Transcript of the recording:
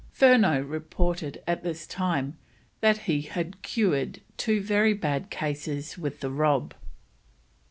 Furneaux reported at this time that he had cured two very bad cases with the Rob.